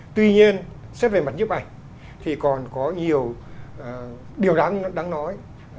tuy nhiên xét về mặt nhếp ảnh thì còn có nhiều điều đáng nói